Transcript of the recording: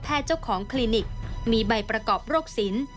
เจ้าของคลินิกมีใบประกอบโรคสิน